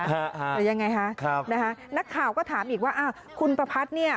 หรือยังไงคะนะคะนักข่าวก็ถามอีกว่าคุณประพัทธ์นี่